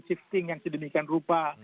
shifting yang sedemikian rupa